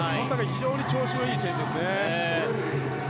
非常に調子のいい選手ですね。